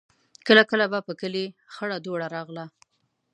کله کله به پر کلي خړه دوړه راغله.